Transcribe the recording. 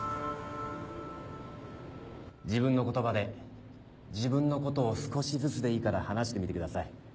自分の言葉で自分のことを少しずつでいいから話してみてください。